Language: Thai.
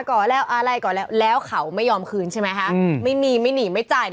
ก่อแล้วอะไรก็แล้วข่าวไม่ยอมคืนใช่ไหมไฮอืมไม่มีไม่นี่ไม่จ่าย